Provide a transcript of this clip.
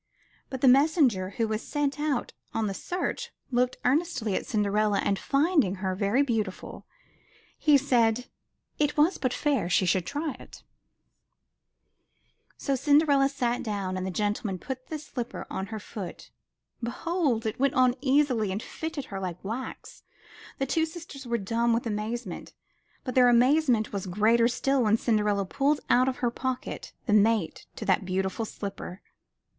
But the mes senger who was sent out on the search, looked earnestly at Cinderella, and, finding her very beautiful, he said it was but fair she should try it. 173 MY BOOK HOUSE So Cinderella sat down and the gentleman put the slipper to her foot. Behold ! it went on easily and fitted her like wax. The two sisters were dumb with amazement, but their amazement was greater still when Cinderella pulled out of her pocket the mate to that beautiful slipper.